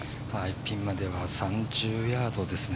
ピンまでは３０ヤードですね。